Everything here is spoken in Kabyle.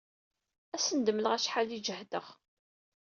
Ad asen-d-mleɣ acḥal i jehdeɣ.